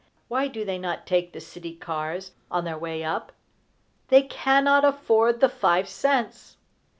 Why do they not take the city cars on their way up? They cannot afford the five cents!